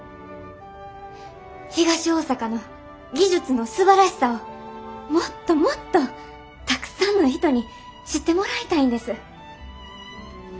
東大阪の技術のすばらしさをもっともっとたくさんの人に知ってもらいたいんです。